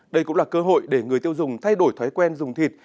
đây cũng là cơ hội để người tiêu dùng thay đổi thói quen dùng thịt